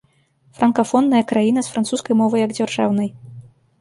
Франкафонная краіна з французскай мовай як дзяржаўнай.